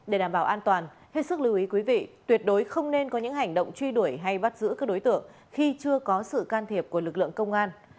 để đảm bảo an toàn hết sức lưu ý quý vị tuyệt đối không nên có những hành động truy đuổi hay bắt giữ các đối tượng khi chưa có sự can thiệp của lực lượng công an